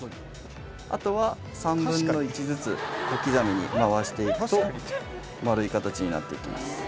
あとは３分の１ずつ小刻みに回していくと丸い形になっていきます。